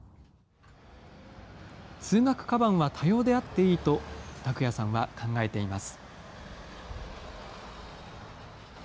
通学かばんは多様であっていいと琢哉さんは考えています。